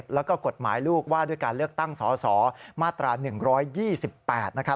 แล้วก็กฎหมายลูกว่าด้วยการเลือกตั้งสสมาตรา๑๒๘นะครับ